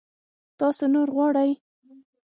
تاسو نور غواړئ؟